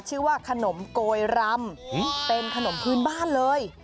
ชื่อว่าขนมโกยรำเป็นขนมพื้นบ้านเลย